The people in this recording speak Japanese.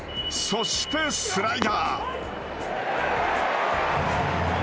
そしてスライダー。